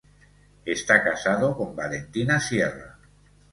Está casado con Valentina Sierra.